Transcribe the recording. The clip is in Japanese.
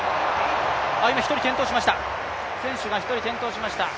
今、選手が１人転倒しました。